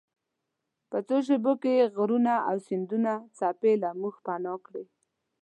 په څو شیبو کې یې غرونه او د سیند څپې له موږ پناه کړې.